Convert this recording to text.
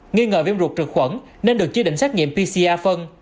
nghi ngờ viêm ruột trực khuẩn nên được chế định xác nhiệm pcr phân